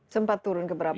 sempat turun ke berapa